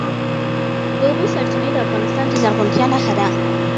د اوبو سرچینې د افغانستان د زرغونتیا نښه ده.